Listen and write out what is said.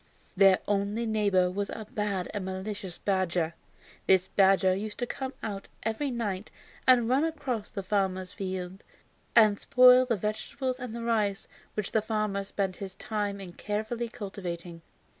Their only neighbor was a bad and malicious badger. This badger used to come out every night and run across to the farmer's field and spoil the vegetables and the rice which the farmer spent his time in carefully cultivating.